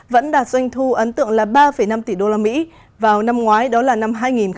vẫn đạt doanh thu ấn tượng là ba năm tỷ usd vào năm ngoái đó là năm hai nghìn hai mươi